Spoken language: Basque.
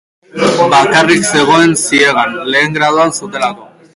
Bakarrik zegoen ziegan, lehen graduan zutelako.